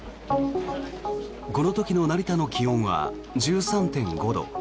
この時の成田の気温は１３．５度。